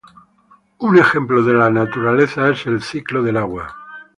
Un ejemplo de la naturaleza es el ciclo del agua.